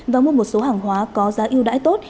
và mua một số hàng hóa có giá yêu đãi tốt